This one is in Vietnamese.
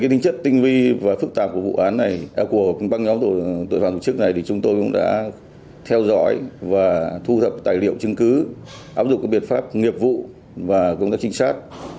về tính chất tinh vi và phức tạp của băng nhóm tội phạm tổ chức này chúng tôi đã theo dõi và thu thập tài liệu chứng cứ áp dụng biện pháp nghiệp vụ và công tác trinh sát